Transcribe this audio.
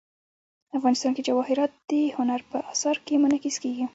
افغانستان کې جواهرات د هنر په اثار کې منعکس کېږي.